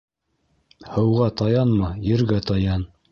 Һыуға таянма, ергә таян.